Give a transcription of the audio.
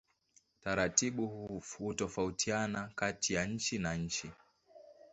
Taratibu hutofautiana kati ya nchi na nchi.